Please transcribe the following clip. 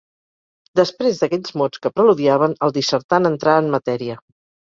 Després d'aquells mots que preludiaven, el dissertant entrà en matèria.